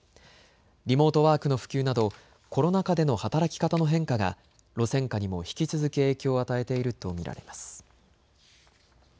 リモートワークの普及などコロナ禍での働き方の変化が路線価にも引き続き影響を与えていると見られます。